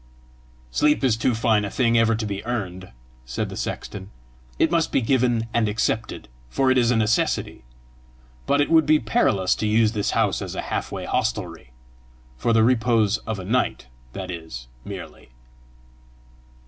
"Sleep is too fine a thing ever to be earned," said the sexton; "it must be given and accepted, for it is a necessity. But it would be perilous to use this house as a half way hostelry for the repose of a night, that is, merely."